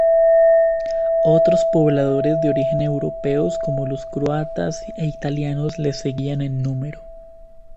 Otros pobladores de origen europeos como los croatas e italianos les seguían en número.